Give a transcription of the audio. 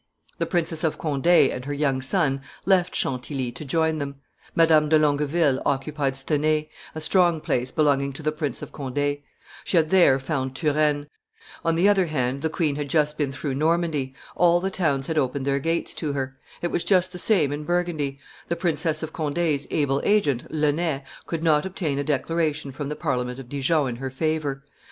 The Princess of Conde and her young son left Chantilly to join them; Madame de Longueville occupied Stenay, a strong place belonging to the Prince of Conde: she had there found Turenne; on the other hand, the queen had just been through Normandy; all the towns had opened their gates to her; it was just the same in Burgundy; the Princess of Conde's able agent, Lenet, could not obtain a declaration from the Parliament of Dijon in her favor.